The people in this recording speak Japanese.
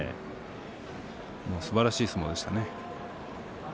すばらしい相撲でしたね。